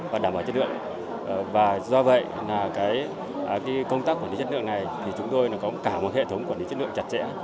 và do vậy công tác quản lý chất lượng này thì chúng tôi có cả một hệ thống quản lý chất lượng chặt chẽ